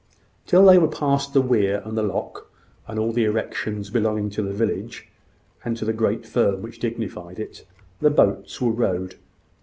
Till they were past the weir and the lock, and all the erections belonging to the village, and to the great firm which dignified it, the boats were rowed.